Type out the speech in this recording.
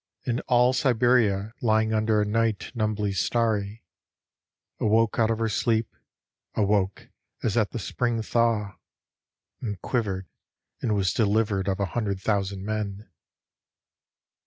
" And all Siberia lying under a night numbly starry, Awoke out of her sleep — Awoke as at the Spring thaw — And quivered, and was delivered of a hundred thou sand men!